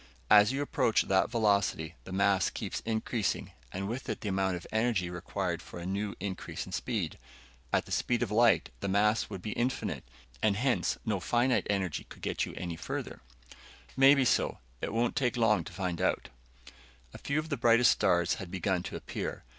As you approach that velocity, the mass keeps increasing, and with it the amount of energy required for a new increase in speed. At the speed of light, the mass would be infinite, and hence no finite energy could get you any further." "Maybe so. It won't take long to find out." A few of the brightest stars had begun to appear.